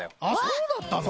そうだったの？